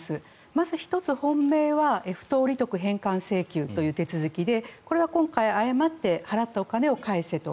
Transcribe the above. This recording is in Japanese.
まず１つ、本命は不当利得返還請求という手続きでこれは今回誤って払ったお金を返せと。